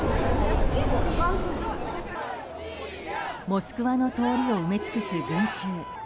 モスクワの通りを埋め尽くす群衆。